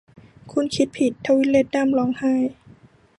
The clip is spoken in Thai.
'คุณคิดผิด !' ทวีดเลดดัมร้องไห้